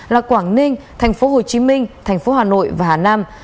là quảng ninh tp hcm tp hn và hà nam